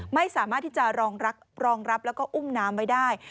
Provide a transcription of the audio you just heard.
ไม่สามารถที่จะรองรับแล้วก็อุ้มน้ำไว้ได้